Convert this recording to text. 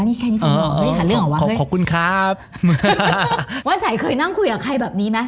นี่แค่นี้เออเออขอบคุณครับว่านฉัยเคยนั่งคุยกับใครแบบนี้มั้ย